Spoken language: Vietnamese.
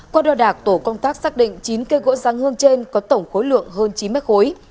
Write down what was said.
qua đo đạc tổ công tác xác định chín cây gỗ răng hương trên có tổng khối lượng hơn chín mét khối